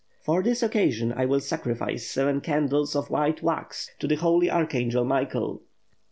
For this occasion, I will sacrifice seven candles of white wax to the Holy Archangel Michael."